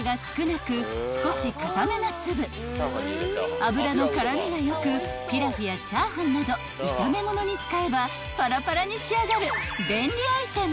［油の絡みが良くピラフやチャーハンなど炒め物に使えばパラパラに仕上がる便利アイテム］